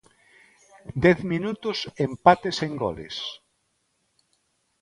Dez minutos empate sen goles.